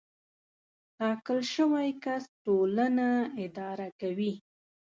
ټاکل شوی کس ټولنه اداره کوي.